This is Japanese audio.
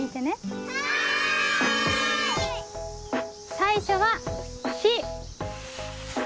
最初は「し」。